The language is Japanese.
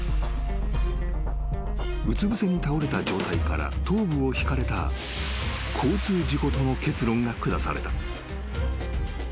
［うつぶせに倒れた状態から頭部をひかれた交通事故との結論が下された］